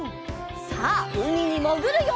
さあうみにもぐるよ！